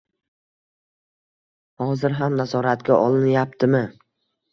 Hozir ham nazoratga olinyaptimi?